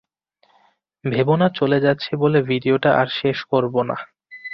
ভেবো না চলে যাচ্ছি বলে ভিডিওটা আর শেষ করব না।